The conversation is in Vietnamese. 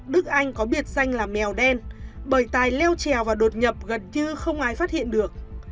đức anh có biệt danh là mèo đen bởi tài leo trèo và đột nhập gần như không ai phát hiện được